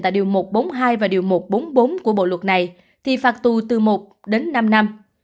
tại điều một trăm bốn mươi hai và điều một trăm bốn mươi bốn của bộ luật này thì phạt tù từ một đến năm năm